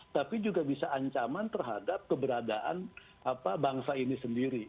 tapi juga bisa ancaman terhadap keberadaan bangsa ini sendiri